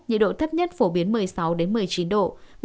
nhiệt độ thấp nhất phổ biến một mươi sáu một mươi chín độ